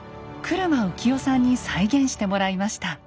車浮代さんに再現してもらいました。